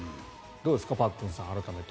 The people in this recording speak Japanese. どうですかパックンさん、改めて。